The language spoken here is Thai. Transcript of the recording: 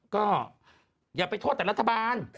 ก็อย่าไปโทษแต่รัฐบาล